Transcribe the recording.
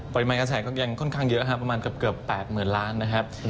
กระแสก็ยังค่อนข้างเยอะครับประมาณเกือบ๘๐๐๐ล้านนะครับ